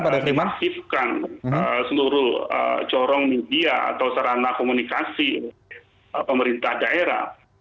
jika kita reaksifkan seluruh corong media atau sarana komunikasi pemerintah daerah